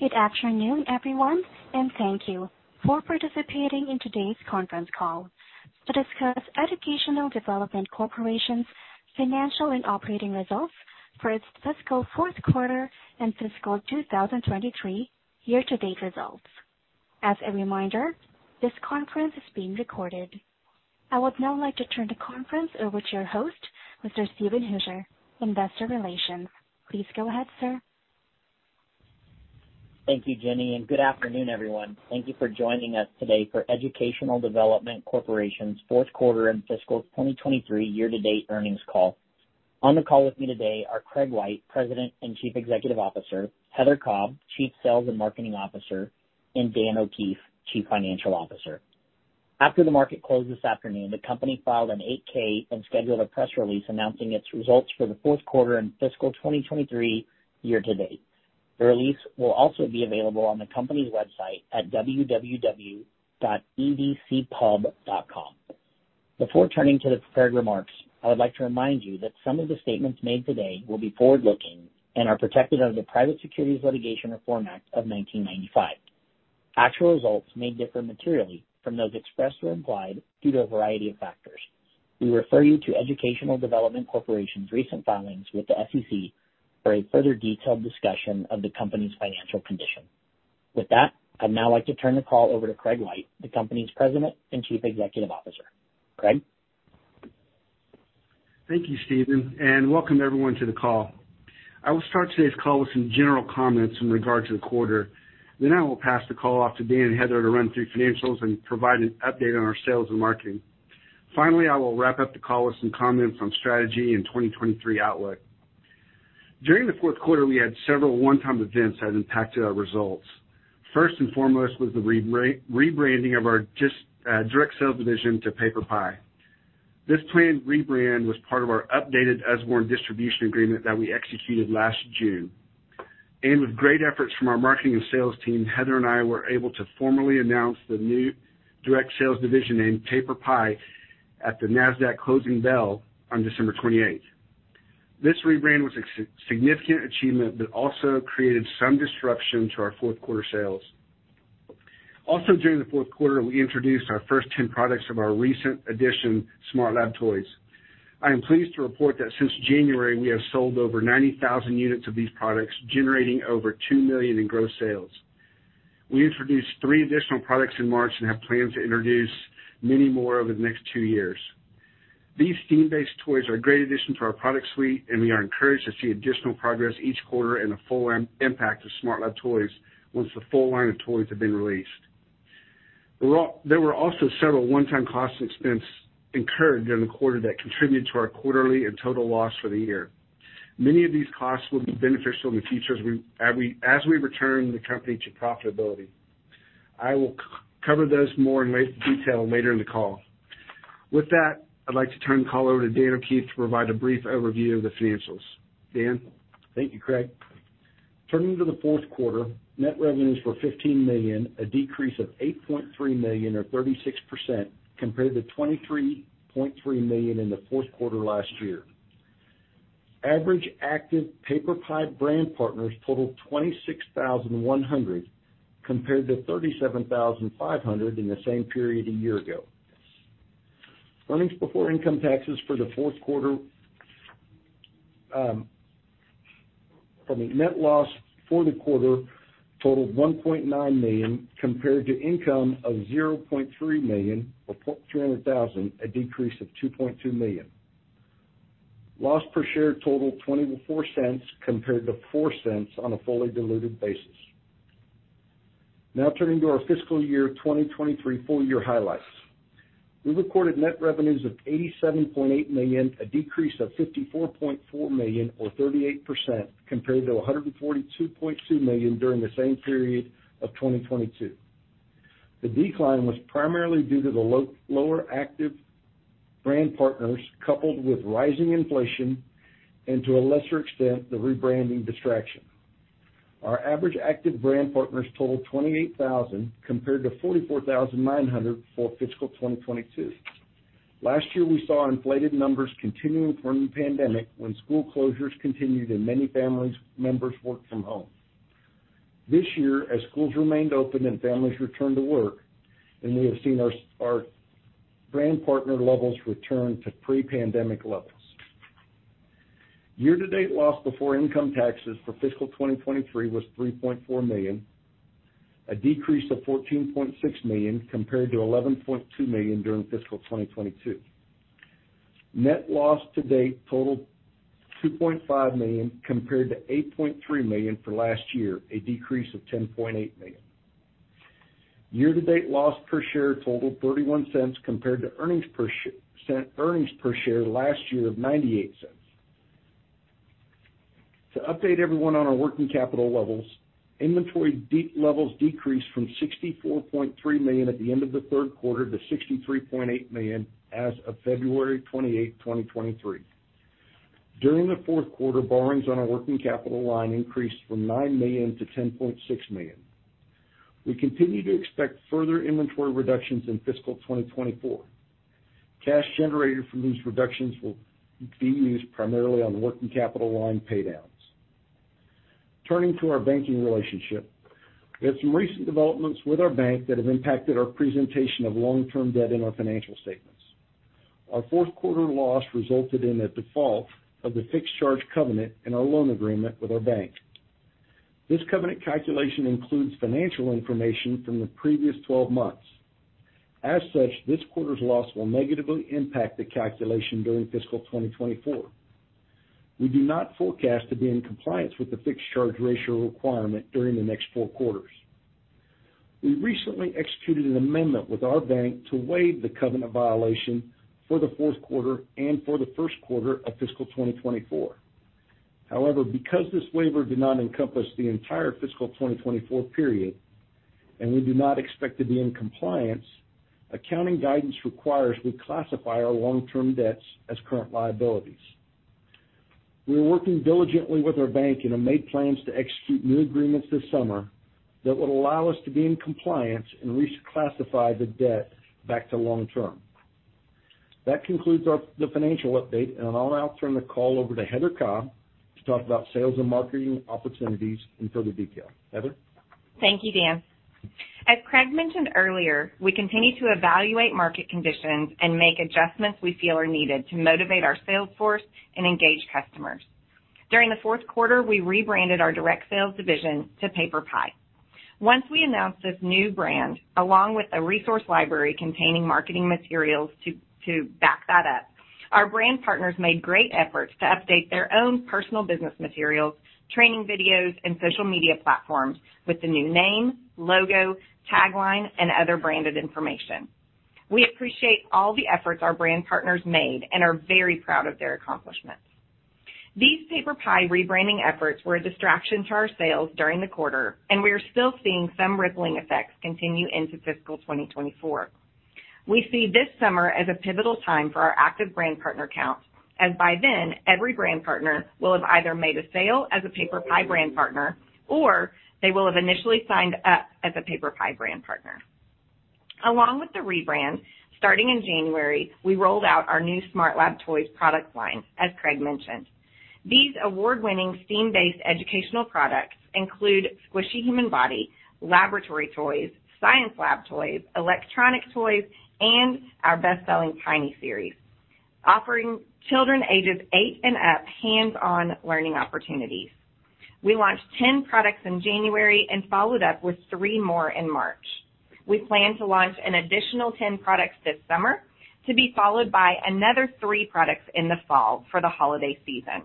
Good afternoon, everyone, and thank you for participating in today's conference call to discuss Educational Development Corporation's financial and operating results for its fiscal fourth quarter and fiscal 2023 year-to-date results. As a reminder, this conference is being recorded. I would now like to turn the conference over to your host, Mr. Steven Hooser, Investor Relations. Please go ahead, sir. Thank you, Jenny. Good afternoon, everyone. Thank you for joining us today for Educational Development Corporation's fourth quarter and fiscal 2023 year-to-date earnings call. On the call with me today are Craig White, President and Chief Executive Officer, Heather Cobb, Chief Sales and Marketing Officer, and Dan O'Keefe, Chief Financial Officer. After the market closed this afternoon, the company filed an 8-K and scheduled a press release announcing its results for the fourth quarter and fiscal 2023 year-to-date. The release will also be available on the company's website at www.edcpub.com. Before turning to the prepared remarks, I would like to remind you that some of the statements made today will be forward-looking and are protected under the Private Securities Litigation Reform Act of 1995. Actual results may differ materially from those expressed or implied due to a variety of factors. We refer you to Educational Development Corporation's recent filings with the SEC for a further detailed discussion of the company's financial condition. With that, I'd now like to turn the call over to Craig White, the company's President and Chief Executive Officer. Craig? Thank you, Steven. Welcome everyone to the call. I will start today's call with some general comments in regard to the quarter. I will pass the call off to Dan and Heather to run through financials and provide an update on our sales and marketing. Finally, I will wrap up the call with some comments on strategy and 2023 outlook. During the fourth quarter, we had several one-time events that impacted our results. First and foremost was the rebranding of our direct sales division to PaperPie. This planned rebrand was part of our updated Usborne Distribution Agreement that we executed last June. With great efforts from our marketing and sales team, Heather and I were able to formally announce the new direct sales division named PaperPie at the NASDAQ closing bell on December 28th. This rebrand was a significant achievement that also created some disruption to our fourth quarter sales. During the fourth quarter, we introduced our first 10 products of our recent edition, SmartLab Toys. I am pleased to report that since January, we have sold over 90,000 units of these products, generating over $2 million in gross sales. We introduced three additional products in March and have plans to introduce many more over the next two years. These STEAM-based toys are a great addition to our product suite. We are encouraged to see additional progress each quarter and the full impact of SmartLab Toys once the full line of toys have been released. There were also several one-time cost expense incurred during the quarter that contributed to our quarterly and total loss for the year. Many of these costs will be beneficial in the future as we return the company to profitability. I will cover those more in detail later in the call. I'd like to turn the call over to Dan O'Keefe to provide a brief overview of the financials. Dan? Thank you, Craig. Turning to the fourth quarter, net revenues were $15 million, a decrease of $8.3 million or 36% compared to $23.3 million in the fourth quarter last year. Average active PaperPie brand partners totaled 26,100 compared to 37,500 in the same period a year ago. Earnings before income taxes for the fourth quarter, I mean, net loss for the quarter totaled $1.9 million compared to income of $0.3 million or $300,000, a decrease of $2.2 million. Loss per share totaled $0.24 compared to $0.04 on a fully diluted basis. Turning to our fiscal year 2023 full-year highlights. We recorded net revenues of $87.8 million, a decrease of $54.4 million or 38% compared to $142.2 million during the same period of 2022. The decline was primarily due to the lower active brand partners coupled with rising inflation and to a lesser extent, the rebranding distraction. Our average active brand partners totaled 28,000 compared to 44,900 for fiscal 2022. Last year, we saw inflated numbers continuing from the pandemic when school closures continued and many families members worked from home. This year, as schools remained open and families returned to work, we have seen our brand partner levels return to pre-pandemic levels. Year-to-date loss before income taxes for fiscal 2023 was $3.4 million, a decrease of $14.6 million compared to $11.2 million during fiscal 2022. Net loss to date totaled $2.5 million compared to $8.3 million for last year, a decrease of $10.8 million. Year-to-date loss per share totaled $0.31 compared to earnings per cents earnings per share last year of $0.98. To update everyone on our working capital levels, inventory levels decreased from $64.3 million at the end of the third quarter to $63.8 million as of February 28, 2023. During the fourth quarter, borrowings on our working capital line increased from $9 million to $10.6 million. We continue to expect further inventory reductions in fiscal 2024. Cash generated from these reductions will be used primarily on working capital line pay downs. Turning to our banking relationship. We had some recent developments with our bank that have impacted our presentation of long-term debt in our financial statements. Our fourth quarter loss resulted in a default of the fixed charge covenant in our loan agreement with our bank. This covenant calculation includes financial information from the previous 12 months. This quarter's loss will negatively impact the calculation during fiscal 2024. We do not forecast to be in compliance with the fixed charge ratio requirement during the next four quarters. We recently executed an amendment with our bank to waive the covenant violation for the fourth quarter and for the first quarter of fiscal 2024. Because this waiver did not encompass the entire fiscal 2024 period, and we do not expect to be in compliance, accounting guidance requires we classify our long-term debts as current liabilities. We are working diligently with our bank and have made plans to execute new agreements this summer that would allow us to be in compliance and reclassify the debt back to long term. That concludes the financial update, I'll now turn the call over to Heather Cobb to talk about sales and marketing opportunities in further detail. Heather? Thank you, Dan. As Craig mentioned earlier, we continue to evaluate market conditions and make adjustments we feel are needed to motivate our sales force and engage customers. During the fourth quarter, we rebranded our direct sales division to PaperPie. Once we announced this new brand, along with a resource library containing marketing materials to back that up, our brand partners made great efforts to update their own personal business materials, training videos, and social media platforms with the new name, logo, tagline, and other branded information. We appreciate all the efforts our brand partners made and are very proud of their accomplishments. These PaperPie rebranding efforts were a distraction to our sales during the quarter, and we are still seeing some rippling effects continue into fiscal 2024. We see this summer as a pivotal time for our active brand partner count, as by then, every brand partner will have either made a sale as a PaperPie brand partner or they will have initially signed up as a PaperPie brand partner. Starting in January, we rolled out our new SmartLab Toys product line, as Craig mentioned. These award-winning, STEAM-based educational products include Squishy Human Body, laboratory toys, science lab toys, electronic toys, and our best-selling Tiny Series, offering children ages eight and up hands-on learning opportunities. We launched 10 products in January and followed up with three more in March. We plan to launch an additional 10 products this summer to be followed by another three products in the fall for the holiday season.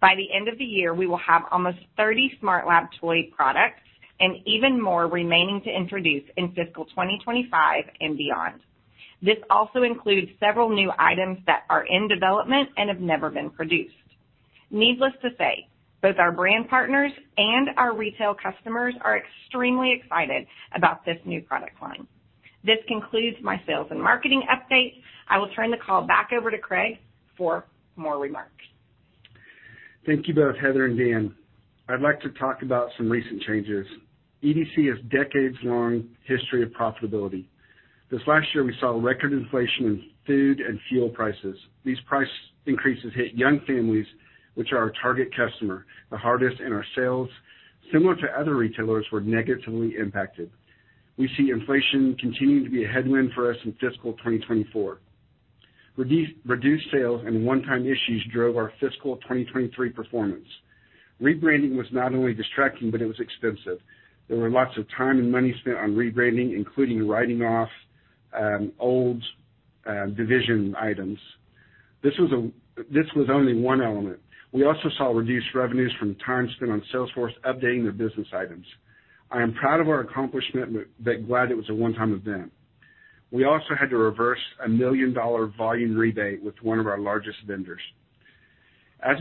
By the end of the year, we will have almost 30 SmartLab Toys products and even more remaining to introduce in fiscal 2025 and beyond. This also includes several new items that are in development and have never been produced. Needless to say, both our brand partners and our retail customers are extremely excited about this new product line. This concludes my sales and marketing update. I will turn the call back over to Craig for more remarks. Thank you both, Heather and Dan. I'd like to talk about some recent changes. EDC has decades-long history of profitability. This last year, we saw record inflation in food and fuel prices. These price increases hit young families, which are our target customer, the hardest, and our sales, similar to other retailers, were negatively impacted. We see inflation continuing to be a headwind for us in fiscal 2024. Reduced sales and one-time issues drove our fiscal 2023 performance. Rebranding was not only distracting, but it was expensive. There were lots of time and money spent on rebranding, including writing off old division items. This was only one element. We also saw reduced revenues from time spent on sales force updating their business items. I am proud of our accomplishment but glad it was a one-time event. We also had to reverse a million-dollar volume rebate with one of our largest vendors.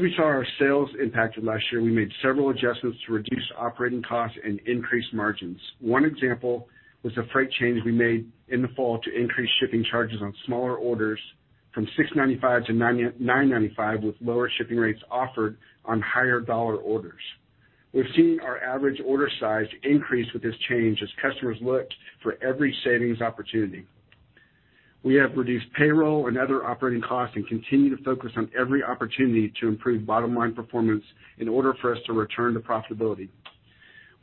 We saw our sales impacted last year, we made several adjustments to reduce operating costs and increase margins. One example was the freight change we made in the fall to increase shipping charges on smaller orders from $6.95 to $9.95, with lower shipping rates offered on higher dollar orders. We've seen our average order size increase with this change as customers looked for every savings opportunity. We have reduced payroll and other operating costs and continue to focus on every opportunity to improve bottom-line performance in order for us to return to profitability.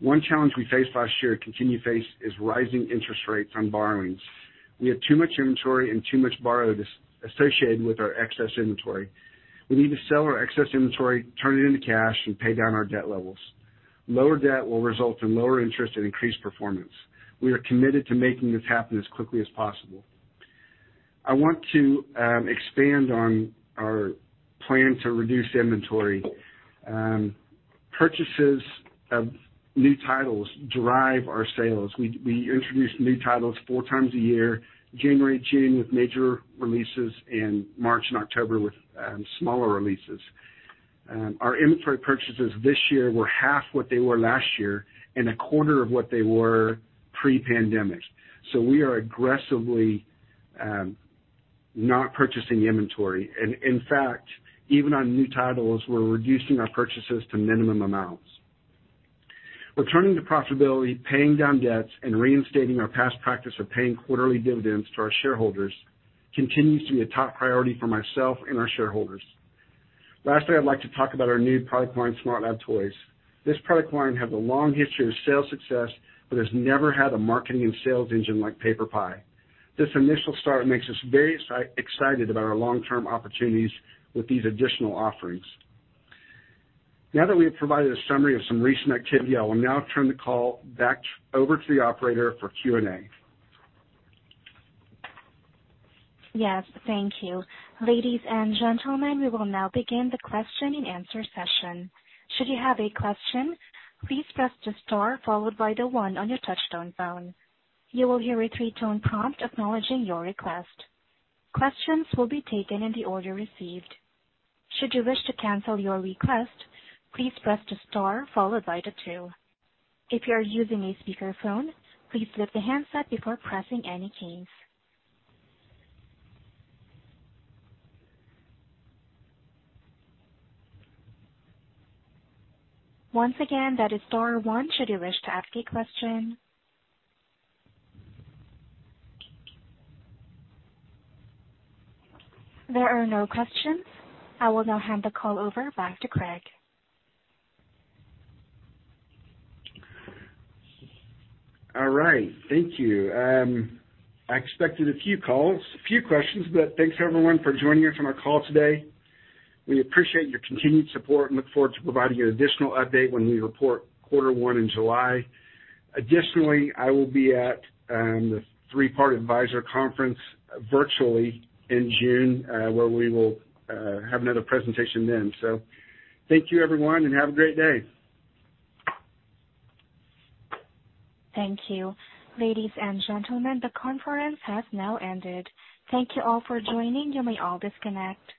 One challenge we faced last year and continue to face is rising interest rates on borrowings. We have too much inventory and too much borrowed associated with our excess inventory. We need to sell our excess inventory, turn it into cash, and pay down our debt levels. Lower debt will result in lower interest and increased performance. We are committed to making this happen as quickly as possible. I want to expand on our plan to reduce inventory. Purchases of new titles drive our sales. We introduce new titles four times a year, January, June, with major releases in March and October with smaller releases. Our inventory purchases this year were half what they were last year and a quarter of what they were pre-pandemic. We are aggressively not purchasing inventory. In fact, even on new titles, we're reducing our purchases to minimum amounts. Returning to profitability, paying down debts, and reinstating our past practice of paying quarterly dividends to our shareholders continues to be a top priority for myself and our shareholders. Lastly, I'd like to talk about our new product line, SmartLab Toys. This product line has a long history of sales success but has never had a marketing and sales engine like PaperPie. This initial start makes us very excited about our long-term opportunities with these additional offerings. Now that we have provided a summary of some recent activity, I will now turn the call back over to the operator for Q&A. Yes, thank you. Ladies and gentlemen, we will now begin the question-and-answer session. Should you have a question, please press the Star followed by the One on your touch-tone phone. You will hear a three-tone prompt acknowledging your request. Questions will be taken in the order received. Should you wish to cancel your request, please press the Star followed by the Two. If you are using a speakerphone, please lift the handset before pressing any keys. Once again, that is Star One should you wish to ask a question. There are no questions. I will now hand the call over back to Craig. All right. Thank you. I expected a few calls, a few questions, but thanks everyone for joining us on our call today. We appreciate your continued support and look forward to providing an additional update when we report quarter one in July. Additionally, I will be at the Three Part Advisors virtually in June, where we will have another presentation then. Thank you, everyone, and have a great day. Thank you. Ladies and gentlemen, the conference has now ended. Thank you all for joining. You may all disconnect.